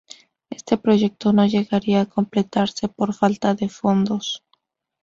Este proyecto no llegaría a completarse por falta de fondos.